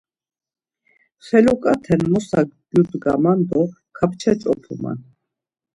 Feluǩaten mosa gyudgaman do kapça ç̌opuman.